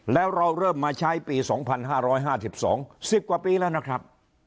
แล้วเราเริ่มมาใช้ปี๒๕๕๒๑๐กว่าปีแล้วนะครับ